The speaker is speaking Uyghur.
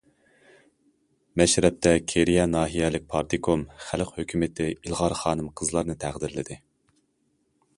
مەشرەپتە كېرىيە ناھىيەلىك پارتكوم، خەلق ھۆكۈمىتى ئىلغار خانىم- قىزلارنى تەقدىرلىدى.